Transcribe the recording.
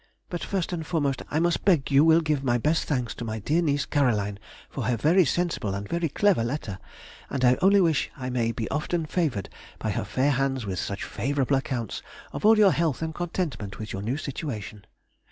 But first and foremost, I must beg you will give my best thanks to my dear niece Caroline for her very sensible and very clever letter, and I only wish I may be often favoured by her fair hands with such favourable accounts of all your health and contentment with your new situation.